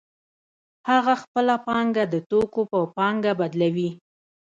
هغه خپله پانګه د توکو په پانګه بدلوي